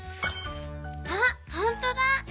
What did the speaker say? あほんとだ！